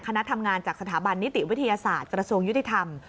คณะทำงานจากสถาบันนิติวิทยาศาสตร์กระทรวงยุติธรรม